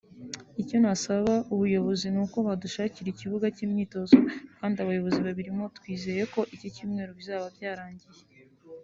Icyo nasaba ubuyobozi ni uko badushakira ikibuga cy’imyitozo kandi abayobozi babirimo twizeye ko iki cyumweru bizaba byarangiye